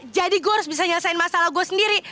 jadi gue harus bisa nyelesain masalah gue sendiri